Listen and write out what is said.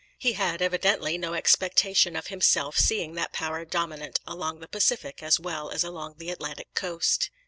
He had evidently no expectation of himself seeing that power dominant along the Pacific as well as along the Atlantic coast.